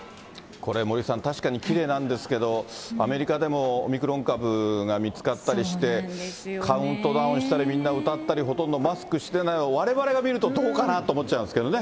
これ、森さん、確かにきれいなんですけど、アメリカでもオミクロン株が見つかったりして、カウントダウンしたり、みんな歌ったり、ほとんどマスクしてない、われわれが見るとどうかなって思っちゃうんですけどね。